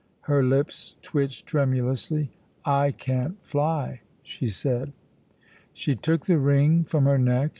Her lips twitched tremulously. "I can't fly," she said. She took the ring from her neck.